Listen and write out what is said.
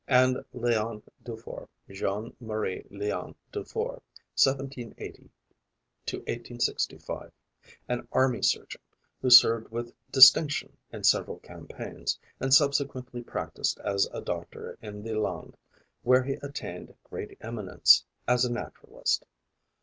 and Leon Dufour (Jean Marie Leon Dufour (1780 1865), an army surgeon who served with distinction in several campaigns, and subsequently practised as a doctor in the Landes, where he attained great eminence as a naturalist.